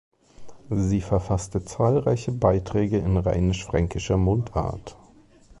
Sie verfasste zahlreiche Beiträge in rheinisch-fränkischer Mundart.